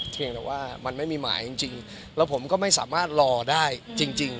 เพียงแต่ว่ามันไม่มีหมายจริงแล้วผมก็ไม่สามารถรอได้จริง